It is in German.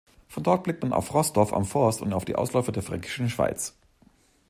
Von dort blickt man auf Roßdorf am Forst und die Ausläufer der Fränkischen Schweiz.